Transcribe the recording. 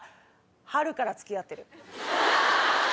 春から付き合ってる。